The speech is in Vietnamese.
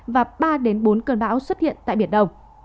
và ba bốn cơn bão xuất hiện tại biển đông